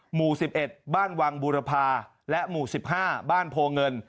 หมู่๑๑บ้านวังบูรพาและหมู่๑๕บ้านโพเงิน